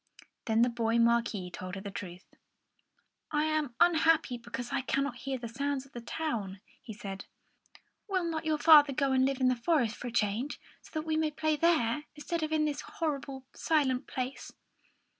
Then the boy Marquis told her the truth. "I am unhappy because I cannot hear the sounds of the town," he said. "Will not your father go and live in the forest for a change, so that we can play there together, instead of in this horrible, silent place?"